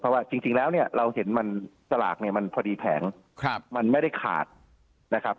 เพราะว่าจริงแล้วเนี่ยเราเห็นมันสลากเนี่ยมันพอดีแผงมันไม่ได้ขาดนะครับ